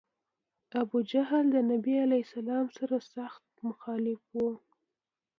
ابوجهل د نبي علیه السلام سر سخت مخالف و.